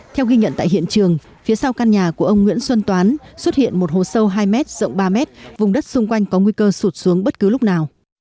theo ghi nhận tại hiện trường phía sau căn nhà của ông nguyễn xuân toán xuất hiện một hồ sâu hai m rộng ba mét vùng đất xung quanh có nguy cơ sụt xuống bất cứ lúc nào